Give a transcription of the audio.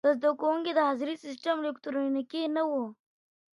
د زده کوونکو د حاضرۍ سیسټم الکترونیکي نه و.